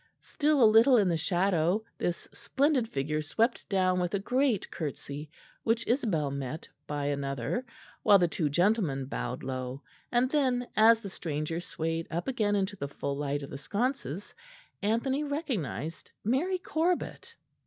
Still a little in the shadow this splendid figure swept down with a great curtsey, which Isabel met by another, while the two gentlemen bowed low; and then, as the stranger swayed up again into the full light of the sconces, Anthony recognised Mary Corbet.